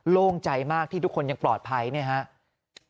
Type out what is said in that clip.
โล่งใจมากที่ทุกคนยังปลอดภัยเนี่ยครับ